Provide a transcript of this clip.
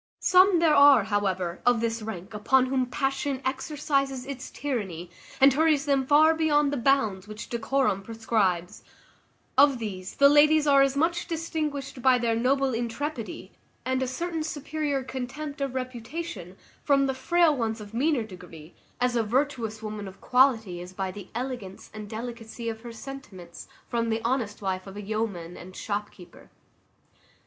Some there are, however, of this rank upon whom passion exercises its tyranny, and hurries them far beyond the bounds which decorum prescribes; of these the ladies are as much distinguished by their noble intrepidity, and a certain superior contempt of reputation, from the frail ones of meaner degree, as a virtuous woman of quality is by the elegance and delicacy of her sentiments from the honest wife of a yeoman and shopkeeper.